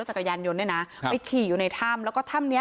จักรยานยนต์เนี่ยนะไปขี่อยู่ในถ้ำแล้วก็ถ้ำเนี้ย